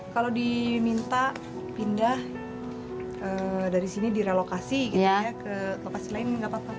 kalau diminta pindah dari sini direlokasi gitu ya ke lokasi lain nggak apa apa